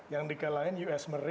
yang dikelain us merdeka